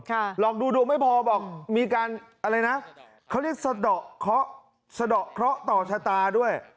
หลอกดูดวงไม่พอบอกมีการอะไรนะเขาเรียกสะดอกเคราะห์สะดอกเคราะห์ต่อชะตาด้วย